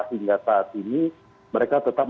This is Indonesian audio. hingga saat ini mereka tetap